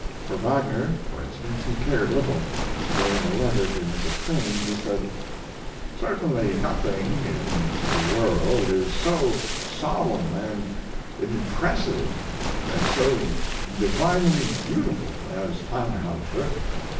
For Wagner, for instance, he cared little, though in a letter to Mrs. Crane he said: Certainly nothing in the world is so solemn and impressive and so divinely beautiful as "Tannhauser."